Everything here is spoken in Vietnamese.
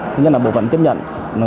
thứ nhất là bộ phận tiếp nhận